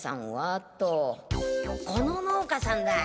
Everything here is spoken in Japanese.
この農家さんだ。